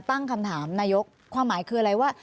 ตั้งคำถามนายกความหมายคืออะไรว่า